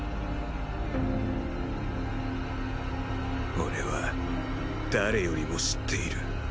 俺は誰よりも知っている